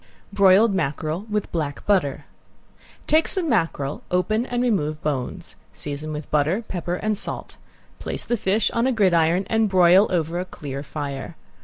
~BROILED MACKEREL, WITH BLACK BUTTER~ Take some mackerel, open and remove bones. Season with butter, pepper, and salt. Place the fish on a gridiron and broil over a clear fire.